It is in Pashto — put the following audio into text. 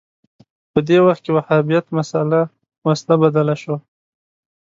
په دې وخت کې وهابیت مسأله وسله بدله شوه